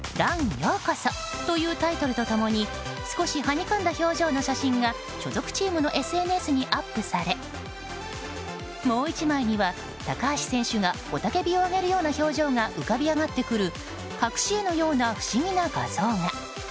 ようこそ！」というタイトルと共に少しはにかんだ表情の写真が所属チームのＳＮＳにアップされもう１枚には高橋選手が雄叫びを上げるような表情が浮かび上がってくる隠し絵のような不思議な画像が。